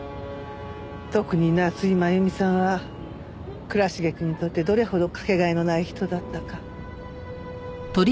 特に夏井真弓さんは倉重くんにとってどれほど掛け替えのない人だったか。